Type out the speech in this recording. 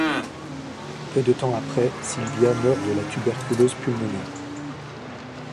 Peu de temps après, Silvia meurt de la tuberculose pulmonaire.